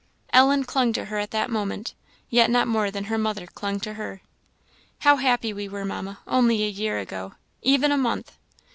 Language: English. Ellen clung to her at that moment yet not more than her mother clung to her. "How happy we were, Mamma, only a year ago even a month."